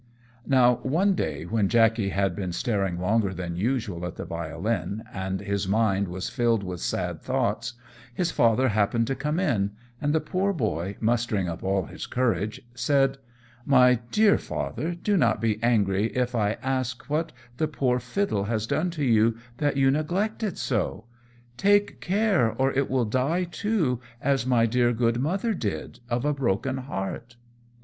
Now, one day, when Jackey had been staring longer than usual at the violin, and his mind was filled with sad thoughts, his father happened to come in, and the poor boy, mustering up all his courage, said "My dear Father, do not be angry if I ask what the poor fiddle has done to you that you neglect it so? Take care or it will die too, as my dear good mother did, of a broken heart."